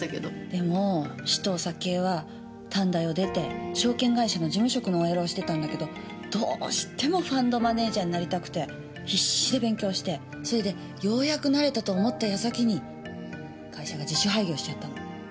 でも紫藤咲江は短大を出て証券会社の事務職のＯＬをしてたんだけどどうしてもファンドマネージャーになりたくて必死で勉強してそれでようやくなれたと思った矢先に会社が自主廃業しちゃったの。